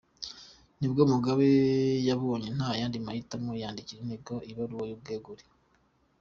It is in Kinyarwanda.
Nibwo Mugabe yabonye nta yandi mahitamo yandikira inteko ibaruwa y’ubwegure.